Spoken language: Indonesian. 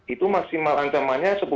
itu maksimal ancamannya sepuluh tahun